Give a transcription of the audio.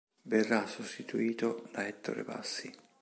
Verrà sostituito da Ettore Bassi.